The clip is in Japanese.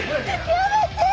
やめて。